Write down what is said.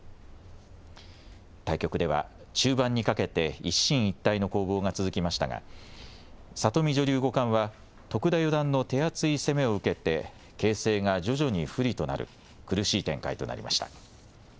対局では中盤にかけて一進一退の攻防が続きましたが里見女流五冠は徳田四段の手厚い攻めを受けて形勢が徐々に不利となる苦しい展開となりました。